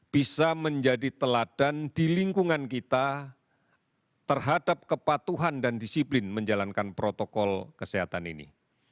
bisa menjadi teladan di lingkungan kita terhadap kepatuhan dan disiplin menjalankan protokol kesehatan ini